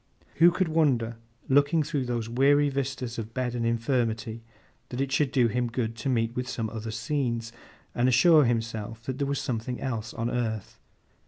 —' Who could wonder, looking through those weary vistas of bed and infirmity, that it should do him good to meet with some other scenes, and assure himself that there was something else on earth?